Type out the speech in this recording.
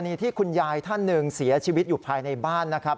นี่ที่คุณยายท่านหนึ่งเสียชีวิตอยู่ภายในบ้านนะครับ